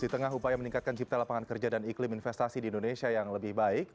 di tengah upaya meningkatkan cipta lapangan kerja dan iklim investasi di indonesia yang lebih baik